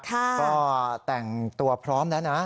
ก็แต่งตัวพร้อมแล้วนะ